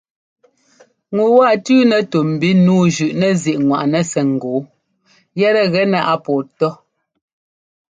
Ŋu waa tʉ́nɛ tú mbi nǔu zʉꞌnɛzíꞌŋwaꞌnɛ sɛ́ ŋ́gɔɔ yɛtɛ gɛnɛ a pɔɔ tɔ́.